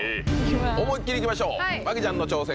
思いっ切りいきましょう麻貴ちゃんの挑戦